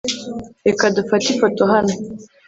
reka dufate ifoto hano